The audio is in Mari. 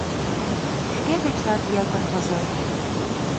Шке гычат ятыр возат.